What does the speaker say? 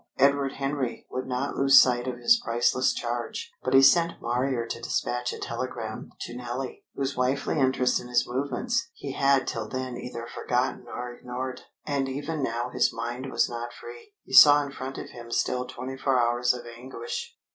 Edward Henry would not lose sight of his priceless charge, but he sent Marrier to despatch a telegram to Nellie, whose wifely interest in his movements he had till then either forgotten or ignored. And even now his mind was not free. He saw in front of him still twenty four hours of anguish.